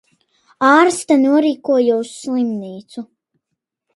Ārste norīkoja uz slimnīcu...